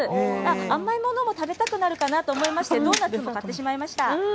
甘いものも食べたくなるかなと思いまして、ドーナツも買ってしまいました。